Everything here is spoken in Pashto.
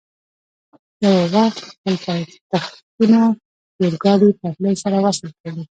یو وخت خپل پایتختونه د اورګاډي پټلۍ سره وصل کړي.